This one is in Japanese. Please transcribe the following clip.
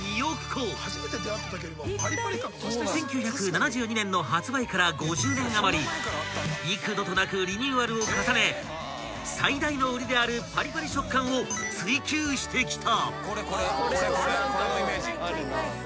［１９７２年の発売から５０年余り幾度となくリニューアルを重ね最大の売りであるパリパリ食感を追求してきた］